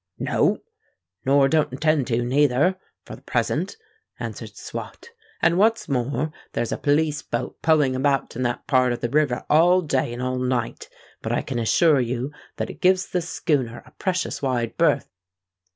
"No—nor don't intend to, neither—for the present," answered Swot. "And what's more, there's a police boat pulling about in that part of the river all day and all night; but I can assure you that it gives the schooner a precious wide berth."